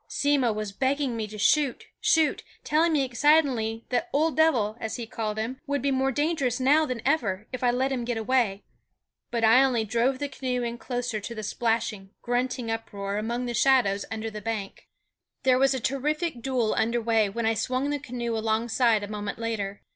Simmo was begging me to shoot, shoot, telling me excitedly that "Ol' Dev'l," as he called him, would be more dangerous now than ever, if I let him get away; but I only drove the canoe in closer to the splashing, grunting uproar among the shadows under the bank. [Illustration: "A MIGHTY SPRING OF HIS CROUCHING HAUNCHES FINISHED THE WORK"] There was a terrific duel under way when I swung the canoe alongside a moment later.